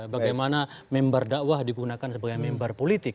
bagaimana member dakwah digunakan sebagai member politik